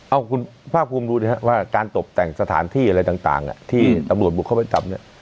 เอาคุณภาคภูมิดูสิครับว่าการตบแต่งสถานที่อะไรต่างที่ตำรวจบุกเข้าไปจับเนี่ย